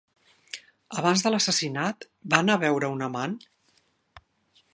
Abans de l'assassinat, va anar a veure un amant?